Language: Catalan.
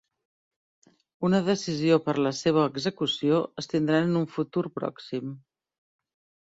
Una decisió per a la seva execució es tindran en un futur pròxim.